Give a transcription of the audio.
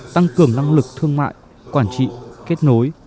tăng cường năng lực thương mại quản trị kết nối